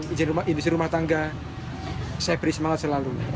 izin rumah tangga saya beri semangat selalu